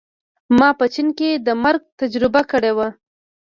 ما په چین کې د مرګ تجربه کړې وه